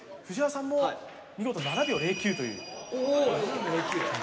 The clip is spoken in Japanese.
藤原さんも見事７秒０９という。